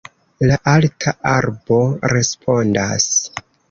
La alta arbo respondas: